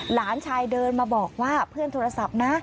หลานชายเดินมาบอกว่าเพื่อนโทรศัพท์นะ